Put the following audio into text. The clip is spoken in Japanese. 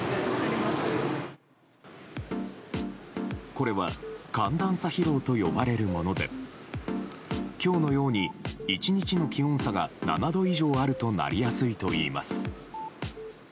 これは寒暖差疲労と呼ばれるもので今日のように１日の気温差が７度以上あるとなりやすいといいます。